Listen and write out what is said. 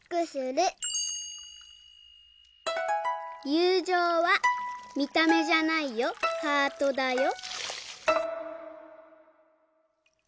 「ゆうじょうは見た目じゃないよハートだよ」。